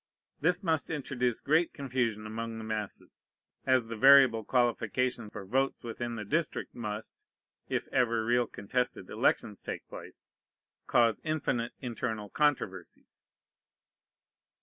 This must introduce great confusion among the masses; as the variable qualification for votes within the district must, if ever real contested elections take place, cause infinite internal controversies.